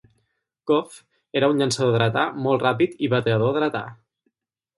Gough era un llançador dretà molt ràpid i batedor dretà.